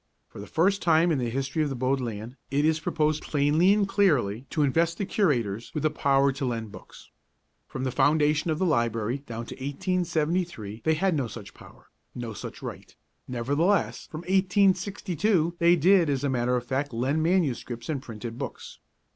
For the first time in the history of the Bodleian it is proposed plainly and clearly to invest the Curators with the power to lend books. From the foundation of the library down to 1873 they had no such power, no such right; nevertheless from 1862 they did as a matter of fact lend manuscripts and printed books.